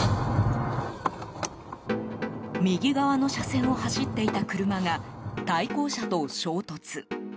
右側の車線を走っていた車が対向車と衝突。